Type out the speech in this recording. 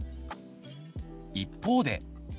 一方で。